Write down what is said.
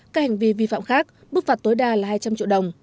các hành vi vi phạm khác mức phạt tối đa là hai trăm linh triệu đồng